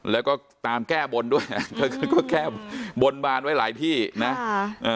แล้วก็ตามแก้บนด้วยแล้วก็แก้บนบานไว้หลายที่นะ